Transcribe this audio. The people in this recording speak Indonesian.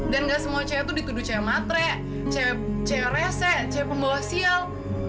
dan nggak semua cewek itu dituduh cewek matre cewek rese cewek pembawa sial